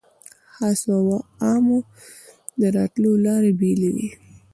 خاصو او عامو د راتلو لارې بېلې وې.